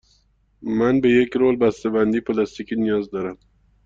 من به یک رول بسته بندی پلاستیکی نیاز دارم.